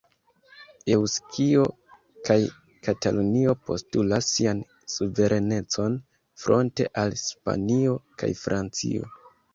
Eŭskio kaj Katalunio postulas sian suverenecon fronte al Hispanio kaj Francio.